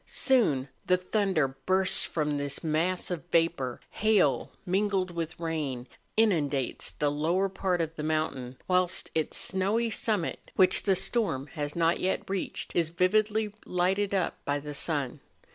Soon the thunder bursts from this mass of vapour; hail mingled with rain inundates the lower part of the mountain, whilst its snowy summit, which the storm has not yet reached, is vividly lighted up by the sun.